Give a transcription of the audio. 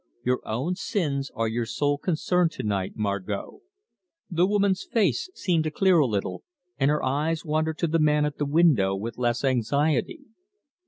Your own sins are your sole concern to night, Margot." The woman's face seemed to clear a little, and her eyes wandered to the man at the window with less anxiety.